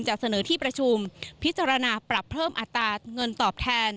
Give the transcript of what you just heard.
จะเสนอที่ประชุมพิจารณาปรับเพิ่มอัตราเงินตอบแทน